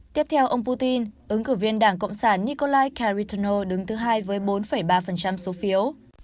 tiếp theo ông putin ứng cử viên đảng cộng sản nikolai caritono đứng thứ hai với bốn ba số phiếu